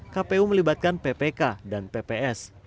kpu melibatkan ppk dan pps